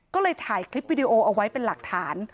ก็เลยถ่ายคลิปวิดีโอเอาไว้เป็นหลักฐาน